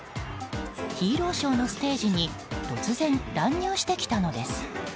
ヒーローショーのステージに突然、乱入してきたのです。